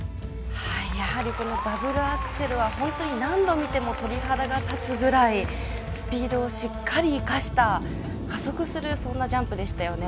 やはり、このダブルアクセルは本当に何度見ても鳥肌が立つぐらいスピードをしっかり生かした加速するそんなジャンプでした。